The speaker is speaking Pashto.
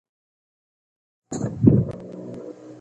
د امريکا ټولواکمن ډونالډ ټرمپ دی.